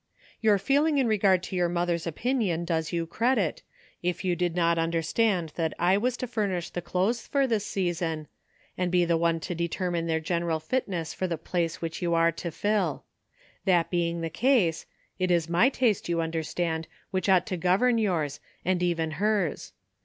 " Your feeling in regard to your mother's opinion does you credit, if you did not under stand that I was to furnish the clothes for this season, and be the one to determine their gen eral fitness for the place which you are to fill. That being the case, it is my taste, you under stand, which ought to govern yours, and even hers.